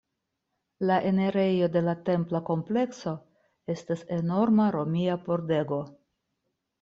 La enirejo de la templa komplekso estas enorma romia pordego.